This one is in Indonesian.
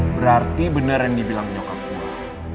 berarti bener yang dibilang nyokap gue